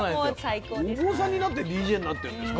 お坊さんになってＤＪになってるんですか？